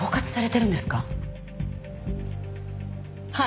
はい。